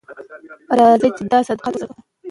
راځئ چې دا صداقت وساتو.